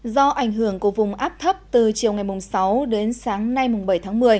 do ảnh hưởng của vùng áp thấp từ chiều ngày sáu đến sáng nay bảy tháng một mươi